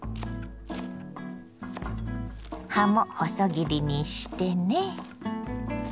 葉も細切りにしてね。